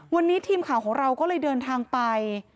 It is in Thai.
วันนี้ทีมข่าวของเราก็เลยเดินทางไป